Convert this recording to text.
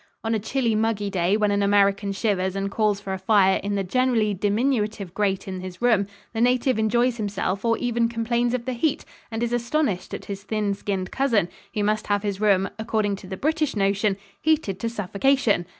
On a chilly, muggy day when an American shivers and calls for a fire in the generally diminutive grate in his room, the native enjoys himself or even complains of the heat, and is astonished at his thin skinned cousin, who must have his room according to the British notion heated to suffocation.